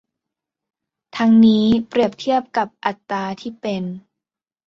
ทั้งนี้เปรียบเทียบกับอัตราที่เป็น